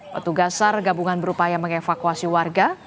petugas sar gabungan berupaya mengevakuasi warga